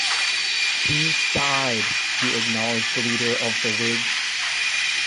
He died the acknowledged leader of the Whigs.